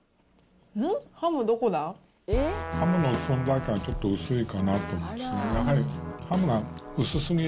ハムの存在感、ちょっと薄いかなと思いますね。